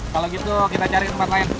kalau gitu kita cari tempat lain